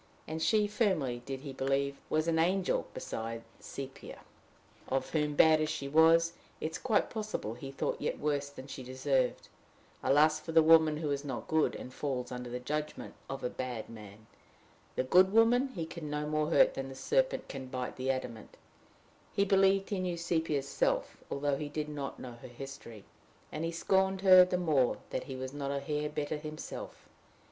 And she, firmly did he believe, was an angel beside Sepia! of whom, bad as she was, it is quite possible he thought yet worse than she deserved: alas for the woman who is not good, and falls under the judgment of a bad man! the good woman he can no more hurt than the serpent can bite the adamant. He believed he knew Sepia's self, although he did not yet know her history; and he scorned her the more that he was not a hair better himself.